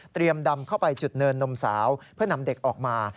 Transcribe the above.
ดำเข้าไปจุดเนินนมสาวเพื่อนำเด็กออกมา